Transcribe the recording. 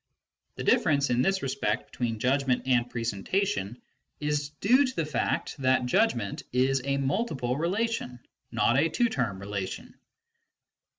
The difference, in this respect, between judg ment and presentation is due to the fact that judgment is a mid tiple relation, not a two term relation.